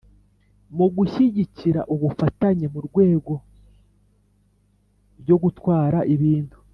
mu gushyigikira ubufatanye mu rwego ryo gutwara ibintu.